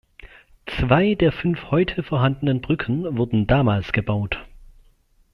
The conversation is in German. Zwei der fünf heute vorhandenen Brücken wurden damals gebaut.